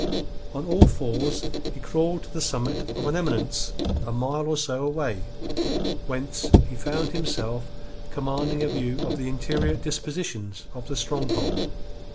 On all fours he crawled to the summit of an eminence a mile or so away, whence he found himself commanding a view of the interior dispositions of the stronghold.